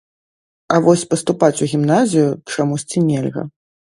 А вось паступаць у гімназію чамусьці нельга.